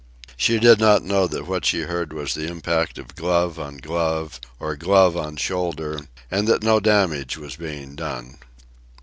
She did not know that what she heard was the impact of glove on glove, or glove on shoulder, and that no damage was being done.